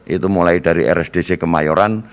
itu mulai dari rsdc kemayoran